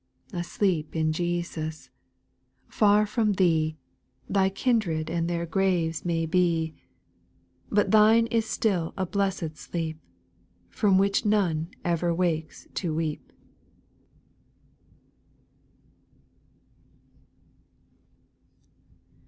6. Asleep in Jesus ! Far from thee, Thy kindred and their graves may be \ 128 SPIRITUAL SONGS. But thine is still a blessed sleep, From which none ever wakes to weep.